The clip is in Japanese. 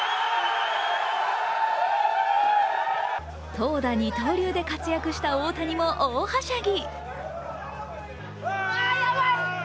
投打二刀流で活躍した大谷も大はしゃぎ。